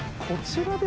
こちら。